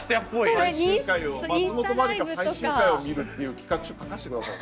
最終回を松本まりか最終回を見るっていう企画書書かしてください。